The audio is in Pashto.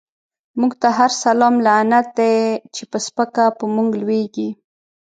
موږ ته هر سلام لعنت دی، چی په سپکه په موږ لويږی